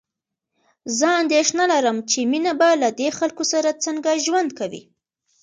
زه اندېښنه لرم چې مينه به له دې خلکو سره څنګه ژوند کوي